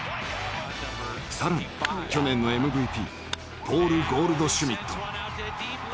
更に去年のＭＶＰポール・ゴールドシュミット。